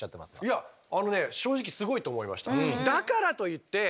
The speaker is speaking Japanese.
いやあのね正直すごいと思いました。